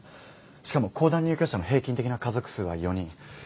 しかも公団入居者の平均的な家族数は４人。